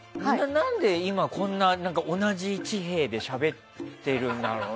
何で今、こんな同じ地平でしゃべってるんだろう。